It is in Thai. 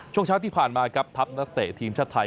ช่วงเช้าที่ผ่านมาครับทัพนักเตะทีมชาติไทย